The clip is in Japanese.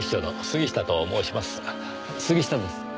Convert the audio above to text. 杉下です。